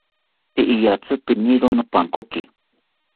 Tee iyatzi piniro nopankoki